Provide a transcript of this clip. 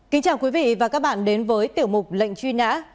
kính chào quý vị và các bạn đến với tiểu mục lệnh truy nã